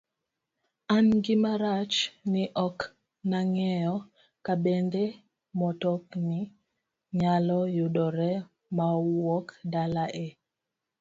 an gima rach ni ok nang'eyo kabende motokni nyalo yudore mawuok dalawa e